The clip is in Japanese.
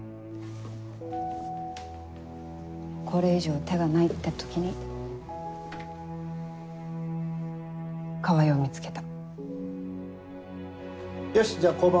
これ以上手がないって時に川合を見つけた。